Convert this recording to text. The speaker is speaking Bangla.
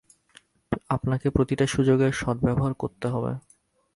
আপনাকে প্রতিটা সুযোগের সদ্ব্যবহার করতে হবে।